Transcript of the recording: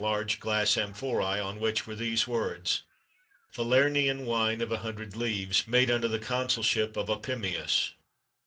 _] glass amphoræ, on which were these words: "Falernian wine of a hundred leaves, made under the consulship of Opimius."